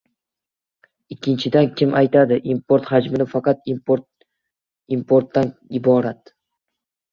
Ikkinchidan, kim aytadi, import hajmi faqat importdan iborat